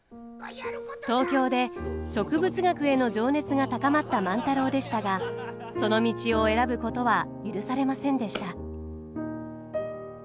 東京で植物学への情熱が高まった万太郎でしたがその道を選ぶことは許されませんでした。